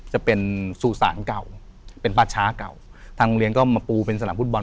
จะเป็นสู่สารเก่าเป็นป่าช้าเก่าทางโรงเรียนก็มาปูเป็นสนามฟุตบอล